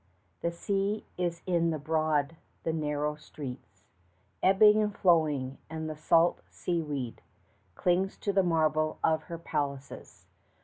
The sea is in the broad, the narrow streets, Ebbing and flowing; and the salt sea weed Clings to the marble of her palaces.